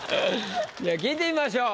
じゃあ聞いてみましょう。